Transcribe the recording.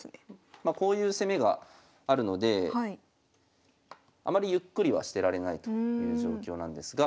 まこういう攻めがあるのであまりゆっくりはしてられないという状況なんですが。